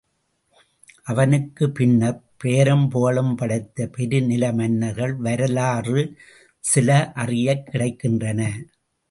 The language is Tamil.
அவனுக்குப் பின்னர்ப் பெயரும் புகழும் படைத்த பெரு நில மன்னர்கள் வரலாறு சில அறியக் கிடைக்கின்றன.